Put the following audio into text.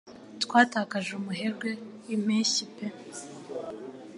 twatakaje umuherwe wimpeshyi pe